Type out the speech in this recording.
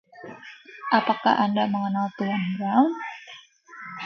Apakah Anda mengenal tuan Brown?